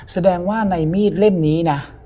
แสดงว่าในมีดเล่มนี้นะ